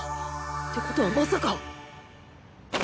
てことはまさか